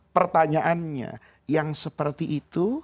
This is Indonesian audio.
pertanyaannya yang seperti itu